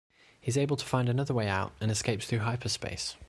He is able to find another way out and escapes through hyperspace.